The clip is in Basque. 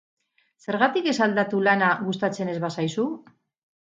Zergatik ez aldatu lana gustatzen ez bazaizu?